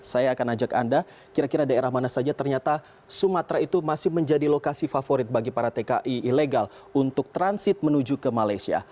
saya akan ajak anda kira kira daerah mana saja ternyata sumatera itu masih menjadi lokasi favorit bagi para tki ilegal untuk transit menuju ke malaysia